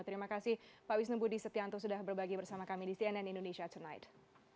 terima kasih pak wisnu budi setianto sudah berbagi bersama kami di cnn indonesia tonight